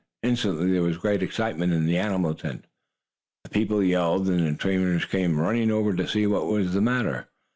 Instantly there was great excitement in the animal tent. The people yelled, and the trainers came running over to see what was the matter.